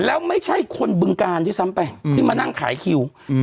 แล้วไม่ใช่คนบึงการที่ซ้ำไปที่มานั่งขายคิวอืม